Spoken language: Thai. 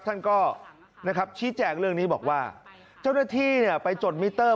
ท่านก็นะครับชี้แจงเรื่องนี้บอกว่าเจ้าหน้าที่ไปจดมิเตอร์